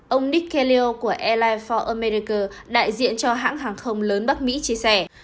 ông nick kaleo của airlines for america đại diện cho hãng hàng không lớn bắc mỹ chia sẻ